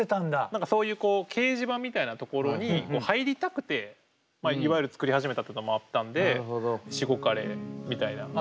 何かそういう掲示板みたいなところに入りたくていわゆる作り始めたっていうのもあったんでしごかれみたいな。